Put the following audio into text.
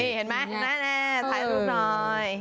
นี่เห็นมั้ยถ่ายรูปหน่อย